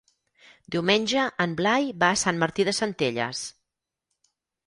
Diumenge en Blai va a Sant Martí de Centelles.